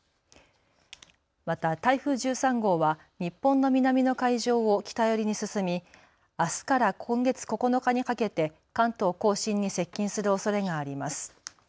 また台風１３号は日本の南の海上を北寄りに進み、あすから今月９日にかけて関東甲信に接近するおそれがあります。